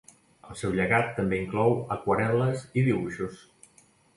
El seu llegat també inclou aquarel·les i dibuixos.